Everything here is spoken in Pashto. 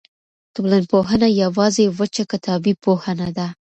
ټولنپوهنه یوازې وچه کتابي پوهه نه ده.